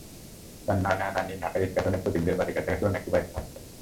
তাঁর নানা-নানি ঢাকার ইস্কাটনে প্রতীকদের বাড়ির কাছাকাছি অন্য একটি বাড়িতে থাকতেন।